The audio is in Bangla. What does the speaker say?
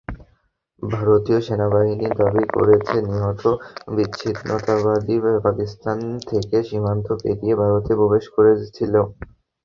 ভারতীয় সেনাবাহিনী দাবি করেছে, নিহত বিচ্ছিন্নতাবাদীরা পাকিস্তান থেকে সীমান্ত পেরিয়ে ভারতে প্রবেশ করেছিল।